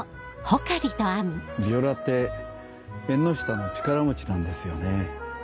ヴィオラって縁の下の力持ちなんですよね